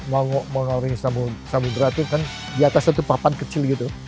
mau ngelaring sambil berlatih kan di atas itu papan kecil gitu